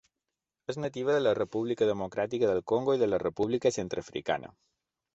És nativa de la República Democràtica del Congo i de la República Centreafricana.